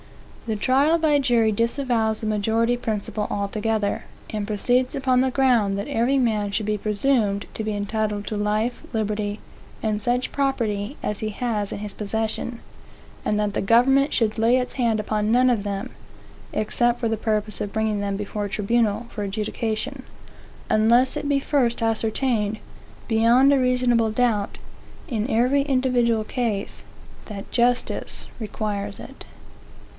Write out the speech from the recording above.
The trial by jury disavows the majority principle altogether; and proceeds upon the ground that every man should be presumed to be entitled to life, liberty, and such property as he has in his possession; and that the government should lay its hand upon none of them, (except for the purpose of bringing them before a tribunal for adjudication,) unless it be first ascertained., beyond a reasonable doubt, in every individual case, that justice requires it.